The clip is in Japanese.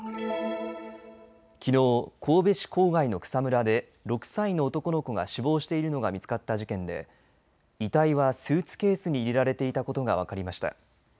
きのう神戸市郊外の草むらで６歳の男の子が死亡しているのが見つかった事件で遺体はスーツケースに入れられていたことが分かりました。